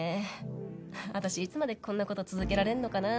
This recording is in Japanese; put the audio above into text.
私いつまでこんな事続けられるのかな？